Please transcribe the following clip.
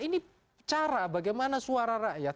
ini cara bagaimana suara rakyat